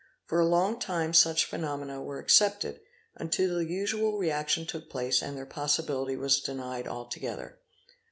For a long _ time such phenomena were accepted, until the usual reaction took place | and their possibility was denied altogether.